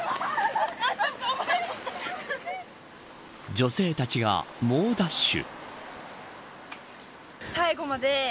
女性たちが、猛ダッシュ。